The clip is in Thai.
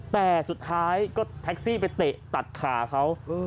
แต่สุดท้ายก็แท็กซี่ไปเตะตัดขาเขา